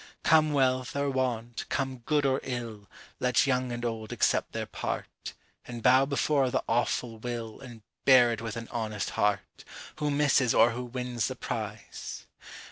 Come wealth or want, come good or ill, Let young and old accept their part, And bow before the Awful Will, And bear it with an honest heart, Who misses or who wins the prize.